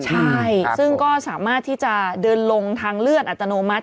ใช่ซึ่งก็สามารถที่จะเดินลงทางเลื่อนอัตโนมัติ